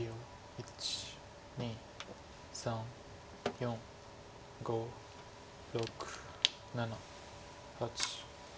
１２３４５６７８。